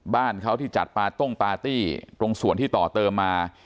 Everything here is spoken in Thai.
บ้านเขาที่จัดปาต้งปาร์ตี้ตรงส่วนที่ต่อเติมมา